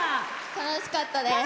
楽しかったです。